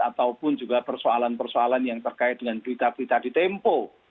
ataupun juga persoalan persoalan yang terkait dengan berita berita di tempo